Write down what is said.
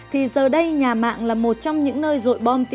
thì giờ đây nhà mạng là một trong những nơi rội bom người dùng